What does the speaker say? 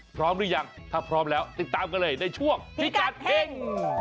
พร้อมหรือยังถ้าพร้อมแล้วติดตามกันเลยในช่วงพิกัดเฮ่ง